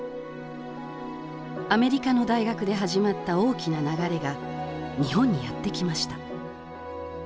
アメリカの大学で始まった大きな流れが日本にやって来ました